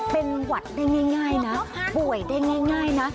เป็นหวัดได้ง่ายนะป่วยได้ง่ายนะ